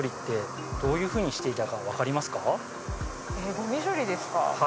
ゴミ処理ですか？